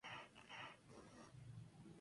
Está situado a la margen izquierda del Rudrón.